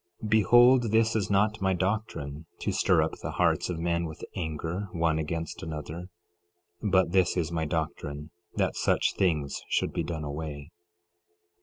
11:30 Behold, this is not my doctrine, to stir up the hearts of men with anger, one against another; but this is my doctrine, that such things should be done away.